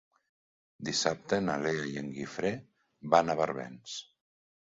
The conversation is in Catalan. Dissabte na Lea i en Guifré van a Barbens.